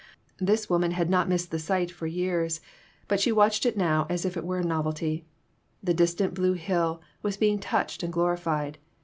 This woman had not missed the sight for PERTURBATIONS. 6/ years, but she watched it now as if it were a nov elty. The distant blue hill was being touched and glorified.